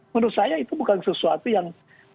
menurut saya itu bukan sesuatu yang